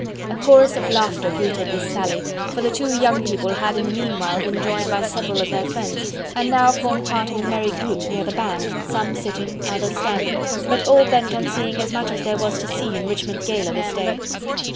A chorus of laughter greeted this sally, for the two young people had in the meanwhile been joined by several of their friends, and now formed part of a merry group near the band, some sitting, others standing, but all bent on seeing as much as there was to see in Richmond Gala this day.